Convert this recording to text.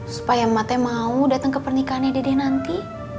supaya emak mau dateng ke pernikahannya dede nanti